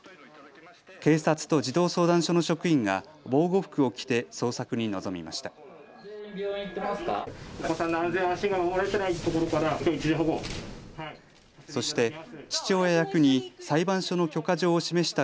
警察と児童相談所の職員が防護服を着て捜索に臨みました。